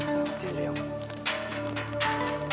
sampai jumpa oma